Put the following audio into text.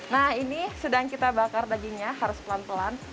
nah ini sedang kita bakar dagingnya harus pelan pelan